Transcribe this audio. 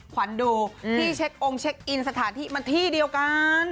ขวัญดูที่เช็คองค์เช็คอินสถานที่มันที่เดียวกัน